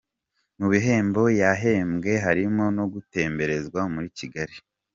Mu bihembo yahembwe harimo no gutemberezwa muri Kigali.